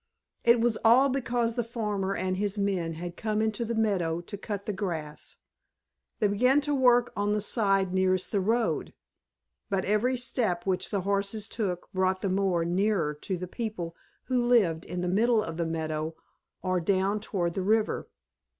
It was all because the farmer and his men had come into the meadow to cut the grass. They began to work on the side nearest the road, but every step which the Horses took brought the mower nearer to the people who lived in the middle of the meadow or down toward the river.